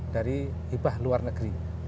dari hibah luar negeri